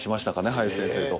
林先生と。